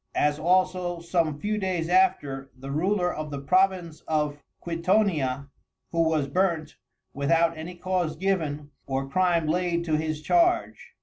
As also some few days after, the Ruler of the Province of Quitonia, who was burnt, without any Cause given, or Crime laid to his Charge.